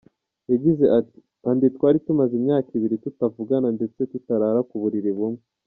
Yagize ati “Andy twari tumaze imyaka ibiri tutavugana ndetse tutarara ku buriri bumwe.